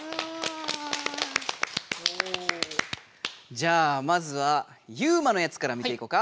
じゃあまずはユウマのやつから見ていこうか。